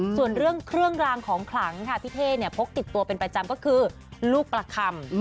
ส่วนเรื่องเครื่องรางของขลังค่ะพี่เท่เนี่ยพกติดตัวเป็นประจำก็คือลูกประคำ